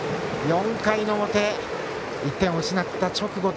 ４回の表、１点を失った直後